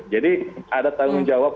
jadi ada tanggung jawab